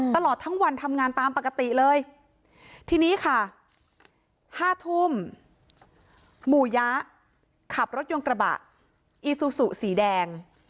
ตลอดทั้งวันทำงานตามปกติเลยทีนี้ค่ะ๕ทุ่มหมู่ยะขับรถยนต์กระบะอีซูซูสีแดง